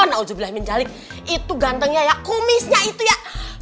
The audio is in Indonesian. nah itu gantengnya ya kumisnya itu ya